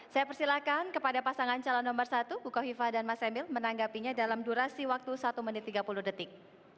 saya persilahkan kepada pasangan calon nomor satu buka viva dan mas emil menanggapinya dalam durasi waktu satu menit tiga puluh detik